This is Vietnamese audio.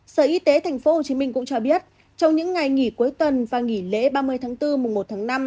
sở y tế tp hcm cũng cho biết trong những ngày nghỉ cuối tuần và nghỉ lễ ba mươi tháng bốn mùa một tháng năm